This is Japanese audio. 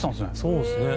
そうですね。